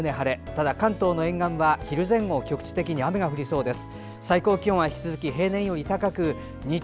ただ関東の沿岸部は、昼前後は局地的に雨が降りそうです。